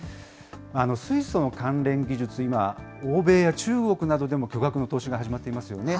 水素の関連技術、今、欧米や中国などでも巨額の投資が始まっていますよね。